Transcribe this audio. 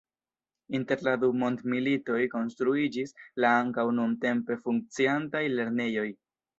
Inter la du mondmilitoj konstruiĝis la ankaŭ nuntempe funkciantaj lernejoj.